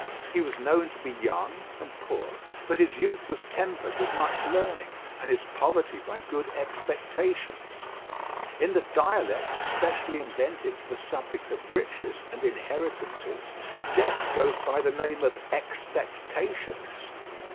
He was known to be young and poor, but his youth was tempered with much learning, and his poverty by good expectations. In the dialect specially invented for the subject of riches and inheritances, death goes by the name of "expectations."